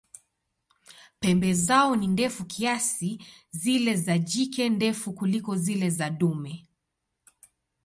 Pembe zao ni ndefu kiasi, zile za jike ndefu kuliko zile za dume.